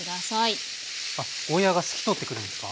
あゴーヤーが透き通ってくるんですか？